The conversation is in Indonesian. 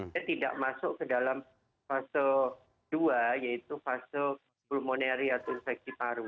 dia tidak masuk ke dalam fase dua yaitu fase pulmoneri atau infeksi paru